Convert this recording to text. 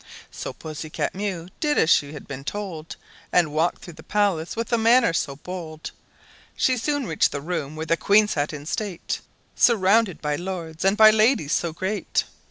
So Pussy cat Mew did as she had been told, And walked through the palace with manner so bold She soon reached the room where the Queen sat in state, Surrounded by lords and by ladies so great.